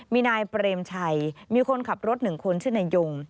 มีนายเปรมชัยมีคนขับรถ๑คนชื่อนายยง